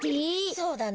そうだな。